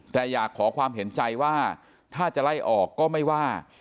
แต่อยากขอความเห็นใจว่าถ้าจะไล่ออกก็ไม่ว่า